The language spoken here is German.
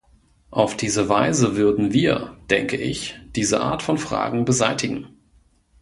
Auf diese Weise würden wir, denke ich, diese Art von Fragen beseitigen.